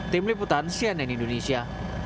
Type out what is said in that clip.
tim liputan cnn indonesia